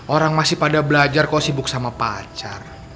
orang masih pada belajar kok sibuk sama pacar